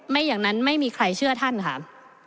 ไม่อย่างนั้นไม่มีใครเชื่อท่านค่ะ